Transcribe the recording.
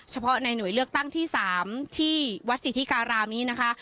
เฉพาะในหน่วยเลือกตั้งที่๓ที่วัดสิทธิการามนี้นะคะ